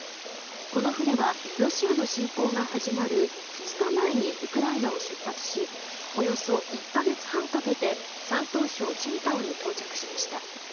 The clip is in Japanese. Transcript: この船はロシアの侵攻が始まる２日前にウクライナを出発しおよそ１か月半かけて山東省青島に到着しました。